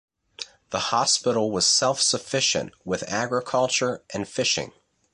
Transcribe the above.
The hospital was self-sufficient with agriculture, and fishing.